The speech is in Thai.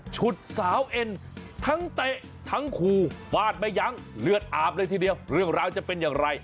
ฉุดสาวเอ็นทั้งเตะทั้งคู่ฟาดไม่ยั้งเลือดอาบเลยทีเดียวเรื่องราวจะเป็นอย่างไร